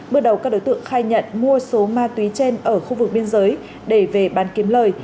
bước đầu các đối tượng khai nhận mua số ma túy trên ở khu vực biên giới để về bán kiếm lời